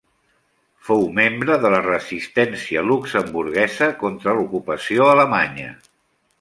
Fou membre de la Resistència luxemburguesa contra l'ocupació alemanya.